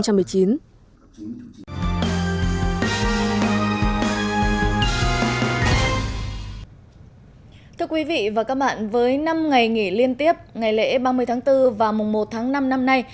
thưa quý vị và các bạn với năm ngày nghỉ liên tiếp ngày lễ ba mươi tháng bốn và mùng một tháng năm năm nay